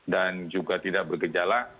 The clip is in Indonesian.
dan juga tidak bergejala